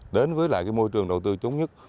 đến với lại cái môi trường đầu tư chống nhất